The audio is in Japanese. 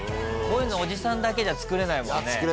こういうのおじさんだけじゃ作れないもんね。